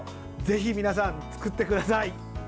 ぜひ皆さん、作ってください。